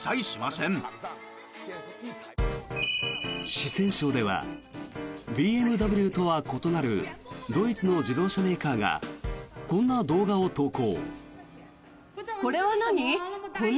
四川省では、ＢＭＷとは異なるドイツの自動車メーカーがこんな動画を投稿。